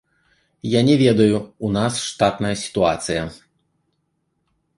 Я не ведаю, у нас штатная сітуацыя.